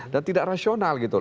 dan tidak rasional